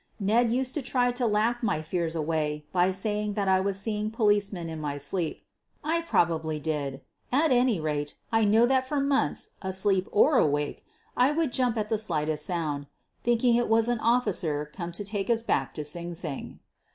Ned used to try to laugh my fears away by saying that I saw police men in my sleep. Probably I did — at any rate, I know that for months, asleep or awake, I would jump at the slightest sound, thinking it was an offi cer come to take us back to Sing Sing.